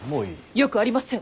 よくありません。